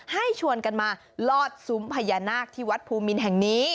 ชวนกันมาลอดซุ้มพญานาคที่วัดภูมินแห่งนี้